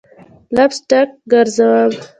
لپ سټک ګرزوم